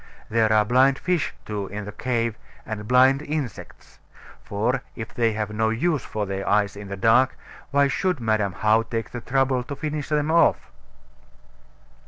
There are blind fish, too, in the cave, and blind insects; for, if they have no use for their eyes in the dark, why should Madam How take the trouble to finish them off?